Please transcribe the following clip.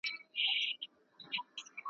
په احساس او په غضب و